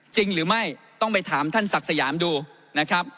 จริงหรือไม่ต้องไปถามท่านศักดิ์สยามดูนะครับ